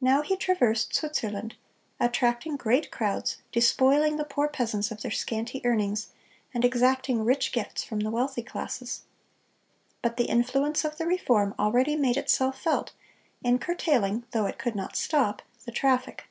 Now he traversed Switzerland, attracting great crowds, despoiling the poor peasants of their scanty earnings, and exacting rich gifts from the wealthy classes. But the influence of the reform already made itself felt in curtailing, though it could not stop, the traffic.